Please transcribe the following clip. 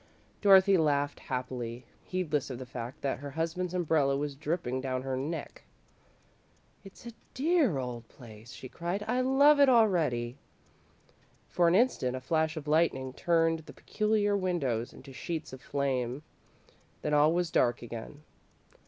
Dorothy laughed happily, heedless of the fact that her husband's umbrella was dripping down her neck. "It's a dear old place," she cried; "I love it already!" For an instant a flash of lightning turned the peculiar windows into sheets of flame, then all was dark again.